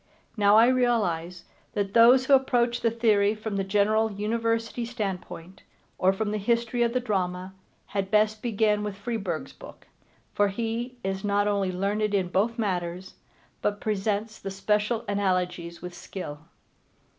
Now I realize that those who approach the theory from the general University standpoint, or from the history of the drama, had best begin with Freeburg's book, for he is not only learned in both matters, but presents the special analogies with skill.